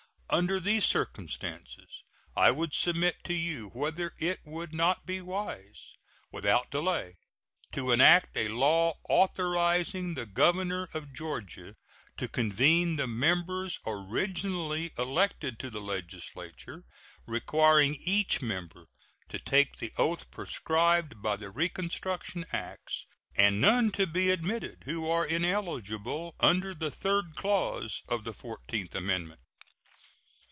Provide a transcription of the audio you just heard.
Under these circumstances I would submit to you whether it would not be wise, without delay, to enact a law authorizing the governor of Georgia to convene the members originally elected to the legislature, requiring each member to take the oath prescribed by the reconstruction acts, and none to be admitted who are ineligible under the third clause of the fourteenth amendment.